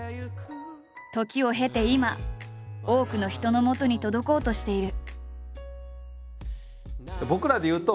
時を経て今多くの人のもとに届こうとしている。